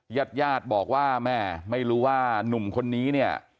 ญาติญาติบอกว่าแม่ไม่รู้ว่านุ่มคนนี้เนี่ย